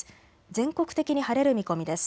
全国的に晴れる見込みです。